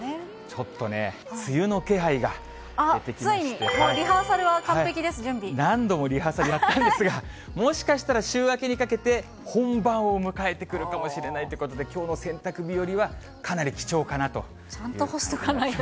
ちょっとね、梅雨の気配が出ついに、もうリハーサルは完何度もリハーサルやったんですが、もしかしたら週明けにかけて、本番を迎えてくるかもしれないということで、きょうの洗濯日和は、かなり貴重かなという。